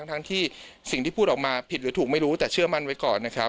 ทั้งที่สิ่งที่พูดออกมาผิดหรือถูกไม่รู้แต่เชื่อมั่นไว้ก่อนนะครับ